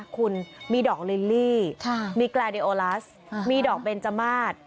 คุณมีดอกลิลลี่มีแกรเดโอลัสมีดอกเบนจมาส